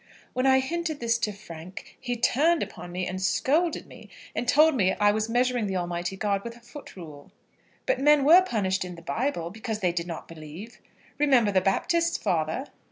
When I hinted this to Frank, he turned upon me, and scolded me, and told me I was measuring the Almighty God with a foot rule. But men were punished in the Bible because they did not believe. Remember the Baptist's father.